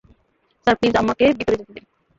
Sir, please আমাকে ভেতরে যেতে দিন।